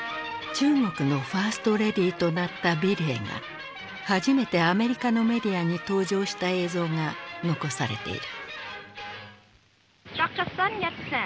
中国のファーストレディーとなった美齢が初めてアメリカのメディアに登場した映像が残されている。